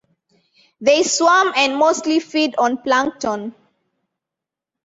They swarm and mostly feed on plankton.